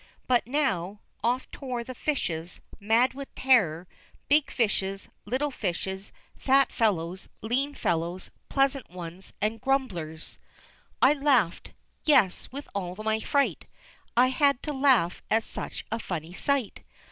But now, off tore the fishes, mad with terror, big fishes, little fishes, fat fellows, lean fellows, pleasant ones, and grumblers. I laughed, yes, with all my fright I had to laugh at such a funny sight.